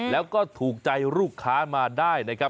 แล้วก็ถูกใจลูกค้ามาได้นะครับ